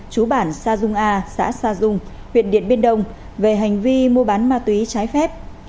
chú bản sa dung a xã sa dung huyện điện biên đông về hành vi mua bán ma túy trái phép